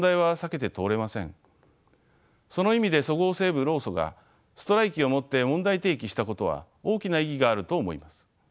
その意味でそごう・西武労組がストライキをもって問題提起したことは大きな意義があると思います。